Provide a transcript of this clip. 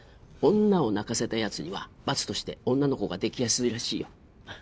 女を泣かせたやつには罰として女の子ができやすいらしいよ。